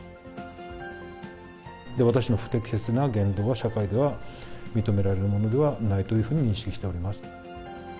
私の不適切な言動は、社会では認められるものではないというふうに認識しております。